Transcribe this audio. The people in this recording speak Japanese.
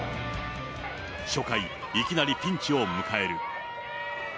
初回、いきなりピンチを迎える。